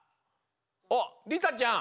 おっりたちゃん！